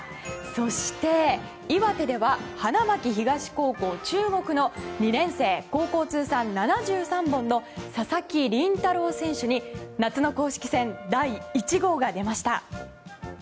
そして、岩手では花巻東高校、注目の２年生高校通算７３本の佐々木麟太郎選手に夏の公式戦第１号が出ました。